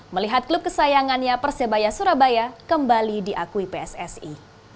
melihat klub kesayangannya persebaya surabaya kembali diakui pssi